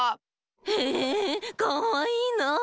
へえかわいいなあ。